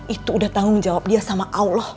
itu udah tanggung jawab dia sama allah